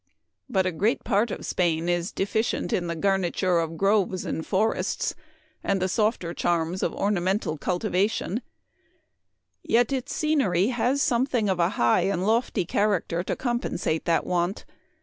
" Hut a great part of Spain is deficient in the garniture of groves and forests, and the softer charms of ornamental cultivation, yet its scen ery has something of a high and lofty character to compensate the want.